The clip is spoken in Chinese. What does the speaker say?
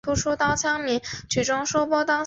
勐腊鞭藤为棕榈科省藤属下的一个种。